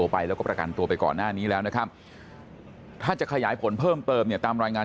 ไปแล้วก็ประกันตัวไปก่อนหน้านี้แล้วนะครับถ้าจะขยายผลเพิ่มเติมเนี่ยตามรายงาน